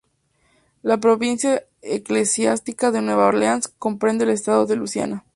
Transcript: La provincia eclesiástica de Nueva Orleans comprende el estado de Luisiana.